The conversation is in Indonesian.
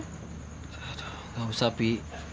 aduh gak usah pi